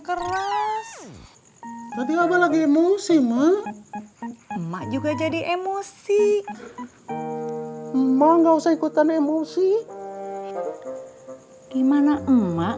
keras tapi apa lagi emosi mah emak juga jadi emosi emang nggak usah ikutan emosi gimana emak